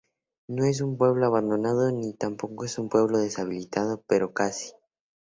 No es un pueblo abandonado, ni tampoco es un pueblo deshabitado, pero casi.